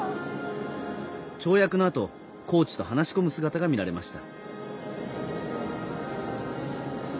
跳躍のあとコーチと話し込む姿が見られました。